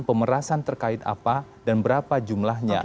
pemerasan terkait apa dan berapa jumlahnya